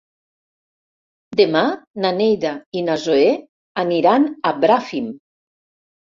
Demà na Neida i na Zoè aniran a Bràfim.